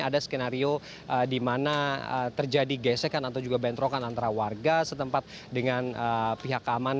ada skenario di mana terjadi gesekan atau juga bentrokan antara warga setempat dengan pihak keamanan